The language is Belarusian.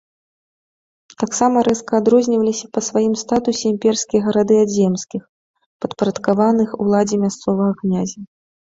Таксама рэзка адрозніваліся па сваім статусе імперскія гарады ад земскіх, падпарадкаваных уладзе мясцовага князя.